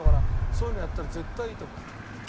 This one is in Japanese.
そういうのやったら絶対いいと思う。